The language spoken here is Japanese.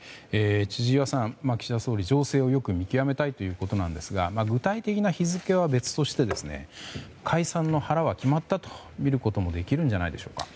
千々岩さん、岸田総理情勢をよく見極めたいということですが具体的な日付は別として解散の腹は決まったと見ることもできるんじゃないでしょうか。